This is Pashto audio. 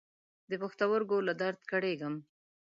پښتورګو له درد کړېږم.